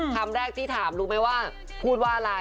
คำแรกที่ถามรู้ไหมว่าพูดว่าอะไร